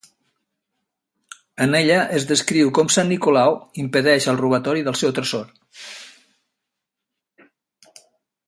En ella es descriu com sant Nicolau impedeix el robatori del seu tresor.